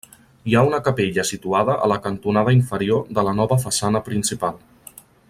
Hi ha una capella situada a la cantonada inferior de la nova façana principal.